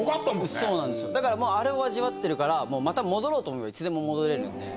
そうなんですよ、だからあれを味わってるから、もうまた戻ろうと思えば、いつでも戻れるんで。